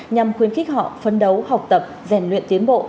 nhằm khuyến khích họ phấn đấu học tập rèn luyện tiến bộ